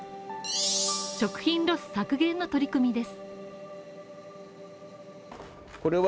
食品ロス削減の取り組みです。